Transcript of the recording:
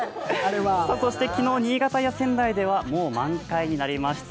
そして昨日新潟や仙台では、もう満開になりました。